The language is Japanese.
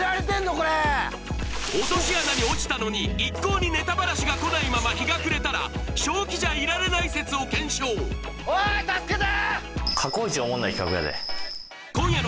これ落とし穴に落ちたのに一向にネタバラシが来ないまま日が暮れたら正気じゃいられない説を検証おい助けて！